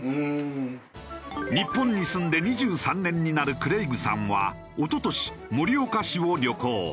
日本に住んで２３年になるクレイグさんは一昨年盛岡市を旅行。